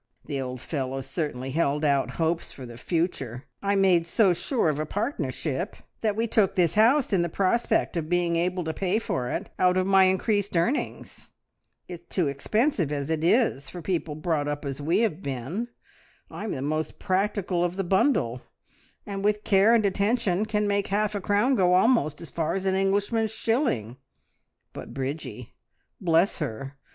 The old fellow certainly held out hopes for the future! I made so sure of a partnership that we took this house in the prospect of being able to pay for it out of my increased earnings. It's too expensive as it is for people brought up as we have been. I'm the most practical of the bundle, and with care and attention can make half a crown go almost as far as an Englishman's shilling; but Bridgie, bless her!